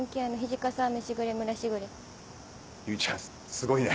すごいね。